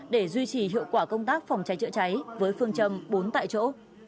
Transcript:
để duy trì hiệu quả công tác phòng cháy chữa cháy với phương châm bốn tại chỗ